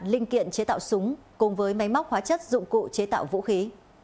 linh kiện chế tạo súng cùng với máy móc hóa chất dụng cụ chế tạo vũ khí